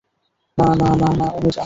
না, না, না, না, অনুযা।